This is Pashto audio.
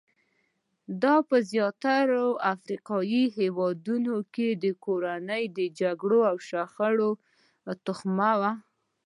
دا په زیاترو افریقایي هېوادونو کې د کورنیو جګړو او شخړو تخم وو.